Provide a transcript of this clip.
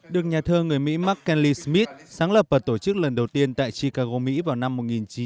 được nhà thơ người mỹ mark kenley smith sáng lập và tổ chức lần đầu tiên tại chicago mỹ vào năm một nghìn chín trăm tám mươi sáu